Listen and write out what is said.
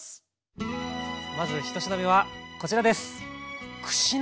まず１品目はこちらです。